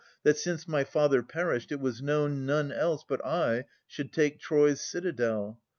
That, since my father perished, it was known None else but I should take Troy's citadel.